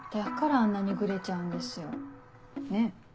あんなにグレちゃうんですよ。ねぇ？